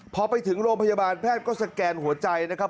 พอไปถึงโรงพยาบาลแพทย์ก็สแกนหัวใจนะครับ